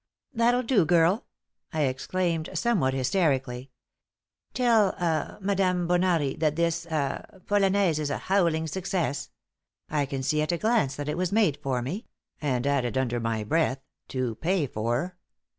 "That'll do, girl," I exclaimed, somewhat hysterically. "Tell ah Madame Bonari that this ah polonaise is a howling success. I can see at a glance that it was made for me," and added, under my breath, "to pay for."